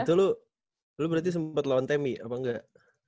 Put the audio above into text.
nah itu lo berarti sempet lawan temi apa enggak